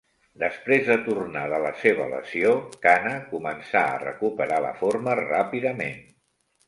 Després de tornar de la seva lesió, Cana començà a recuperar la forma ràpidament.